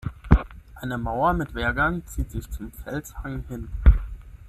Eine Mauer mit Wehrgang zieht sich zum Felshang hin.